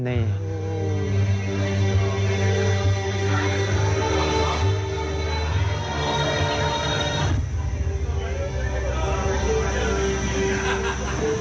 อุโมงลมที่มีลมขึ้นมาแล้ว